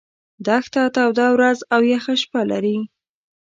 دښته توده ورځ او یخه شپه لري.